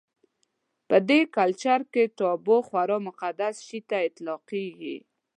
په دې کلچر کې تابو خورا مقدس شي ته اطلاقېږي.